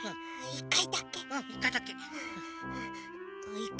１かいだけ。